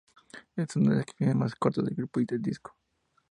Es una de las canciones más cortas del grupo y del disco.